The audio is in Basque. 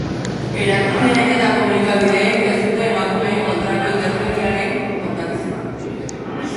Erakundeek eta komunikabideek ez dute emakumeen kontrako indarkeriaren kontakizuna egin.